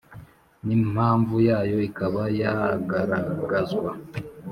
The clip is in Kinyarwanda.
n’impamvu yayo ikaba yagaragazwa.